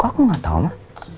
kok aku gatau ma